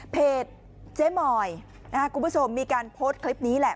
เพจเจ๊มอยคุณผู้ชมมีการโพสต์คลิปนี้แหละ